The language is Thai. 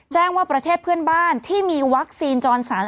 แจ้งว่าประเทศเพื่อนบ้านที่มีวัคซีนจรสัน